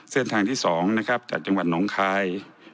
เส้นทางที่สองจากจังหวัดหนองคาย